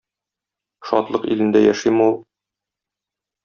Шатлык илендә яшиме ул?